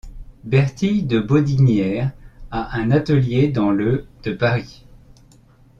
Bertille de Baudinière à un atelier dans le de Paris.